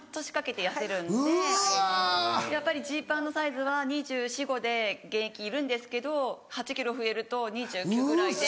やっぱりジーパンのサイズは２４２５で現役いるんですけど８ｋｇ増えると２９ぐらいで。